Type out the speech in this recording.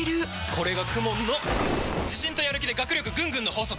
これがＫＵＭＯＮの自信とやる気で学力ぐんぐんの法則！